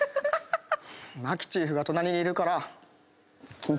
麻貴チーフが隣にいるから。